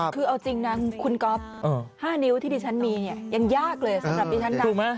คือเอาจริงนะคุณก๊อฟ๕นิ้วที่ดิฉันมีเนี่ยยังยากเลยสำหรับดิฉันนะ